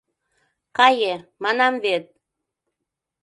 — Кае, манам вет!